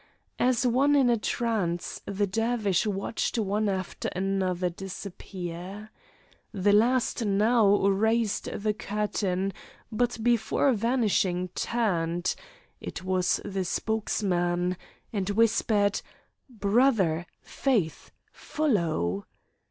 As one in a trance, the Dervish watched one after another disappear. The last now raised the curtain, but before vanishing, turned (it was the spokesman), and whispered: "Brother, faith, follow!"